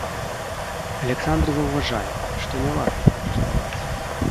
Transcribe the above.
Аляксандр заўважае, што не варта так жартаваць.